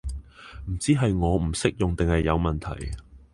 唔知係我唔識用定係有問題